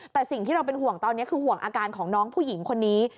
แต่สิ่งที่เราเป็นห่วงตอนนี้คือห่วงอาการของน้องผู้หญิงคนนี้